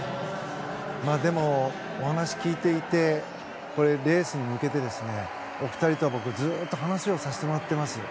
でも、お話を聞いていてレースに向けてお二人と僕ずっと話をさせてもらっています。